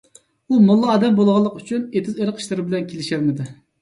ئۇ موللا ئادەم بولغانلىقى ئۈچۈن، ئېتىز - ئېرىق ئىشلىرى بىلەن كېلىشەلمىدى.